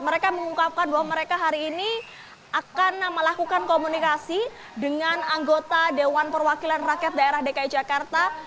mereka mengungkapkan bahwa mereka hari ini akan melakukan komunikasi dengan anggota dewan perwakilan rakyat daerah dki jakarta